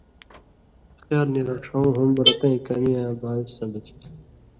خیال نی رڇھؤں ہُم رَتَیں کمی یاں باعث سندُژ تُھو۔